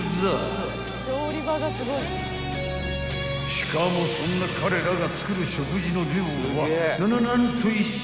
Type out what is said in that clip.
［しかもそんな彼らが作る食事の量はなな何と１食］